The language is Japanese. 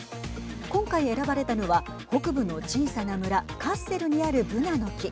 今回選ばれたのは北部の小さな村カッセルにある、ぶなの木。